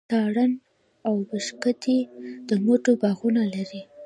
تارڼ اوبښتکۍ د مڼو باغونه لري.